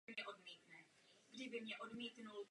Několik z těchto děl již bylo vydáno.